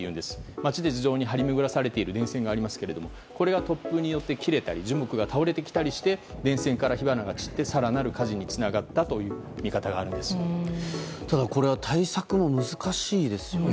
街で地上に張り巡らされている電線がありますがこれが突風によって切れたり樹木が倒れてきたりして電線から火花が散って更なる火事につながったただ、これは対策も難しいですよね。